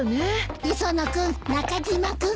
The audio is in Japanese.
磯野君中島君。